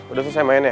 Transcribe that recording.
udah selesai main ya